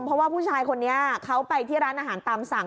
เพราะว่าผู้ชายคนนี้เขาไปที่ร้านอาหารตามสั่ง